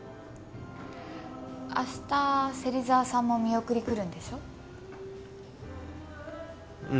あした芹沢さんも見送り来るんでしょ？